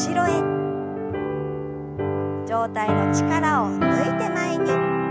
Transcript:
上体の力を抜いて前に。